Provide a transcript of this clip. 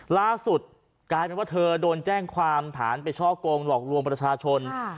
ล่าสุดกลายเป็นว่าเธอโดนแจ้งความฐานไปช่อกงหลอกลวงประชาชน